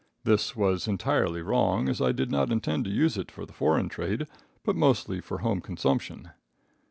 This was entirely wrong, as I did not intend to use it for the foreign trade, but mostly for home consumption.